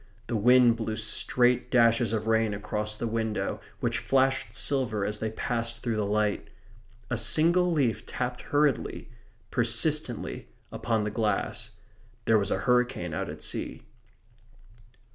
The wind blew straight dashes of rain across the window, which flashed silver as they passed through the light. A single leaf tapped hurriedly, persistently, upon the glass. There was a hurricane out at sea.